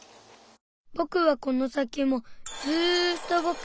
ぼくはこの先もずっとぼく。